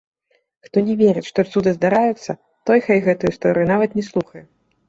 Хто не верыць, што цуды здараюцца, той хай гэтую гісторыю нават не слухае.